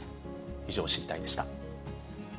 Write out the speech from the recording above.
以上、知りたいッ！でした。